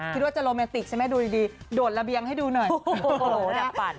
คิดว่าจะโรแมนติกใช่ไหมดูดีโดดระเบียงให้ดูหน่อย